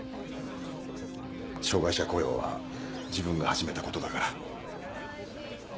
障がい者雇用は自分が始めたことだから。